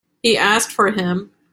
He asked for him.